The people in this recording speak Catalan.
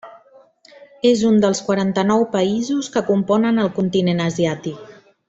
És un dels quaranta-nou països que componen el continent asiàtic.